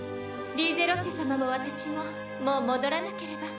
リーゼロッテ様も私ももう戻らなければ。